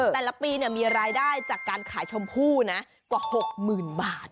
แต่ละปีมีรายได้จากการขายชมพู่นะกว่า๖๐๐๐บาท